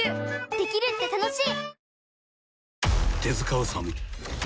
できるって楽しい！